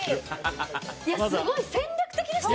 すごい戦略的でしたよ。